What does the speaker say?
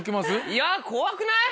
いや怖くない？